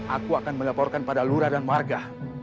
aku akan melaporkan pada lura dan warga